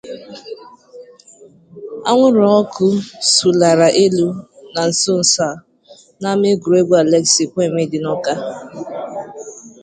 Anwụrụ ọkụ sụlara elu na nsonso a n'ama egwuregwu Alex Ekwueme dị n'Awka